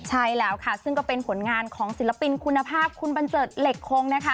ใช่แล้วค่ะซึ่งก็เป็นผลงานของศิลปินคุณภาพคุณบันเจิดเหล็กคงนะคะ